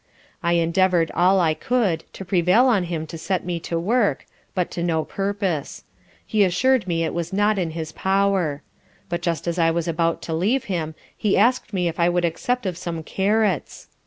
I endeavoured all I could to prevail on him to set me to work, but to no purpose: he assur'd me it was not in his power: but just as I was about to leave him, he asked me if I would accept of some Carrots?